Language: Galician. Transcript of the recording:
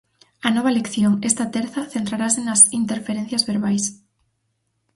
A nova lección, esta terza, centrarase nas interferencias verbais.